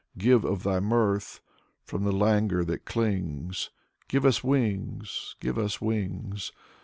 Give of thy mirth. From the languor that clings Give us wings ! Give us wings